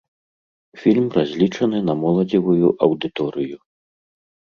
Фільм разлічаны на моладзевую аўдыторыю.